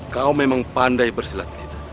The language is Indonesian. kau memang pandai bersilat